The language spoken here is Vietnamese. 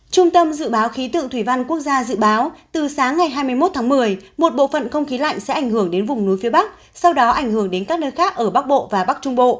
trung tâm dự báo khí tượng thủy văn quốc gia dự báo từ sáng ngày hai mươi một tháng một mươi một bộ phận không khí lạnh sẽ ảnh hưởng đến vùng núi phía bắc sau đó ảnh hưởng đến các nơi khác ở bắc bộ và bắc trung bộ